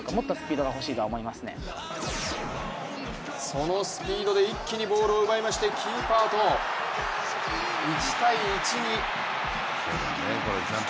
そのスピードで一気にボールを奪いまして、キーパーと１対１に。